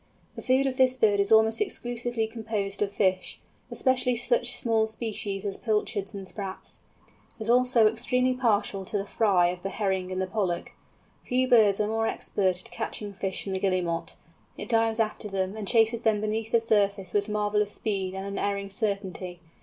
The food of this bird is almost exclusively composed of fish, especially such small species as pilchards and sprats; it is also extremely partial to the fry of the herring and the pollack. Few birds are more expert at catching fish than the Guillemot; it dives after them, and chases them beneath the surface with marvellous speed and unerring certainty.